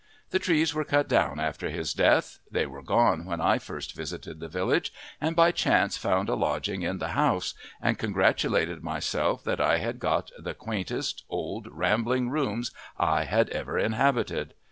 The trees were cut down after his death: they were gone when I first visited the village and by chance found a lodging in the house, and congratulated myself that I had got the quaintest, old rambling rooms I had ever inhabited.